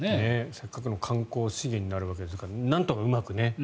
せっかくの観光資源になるわけですからなんとかうまく。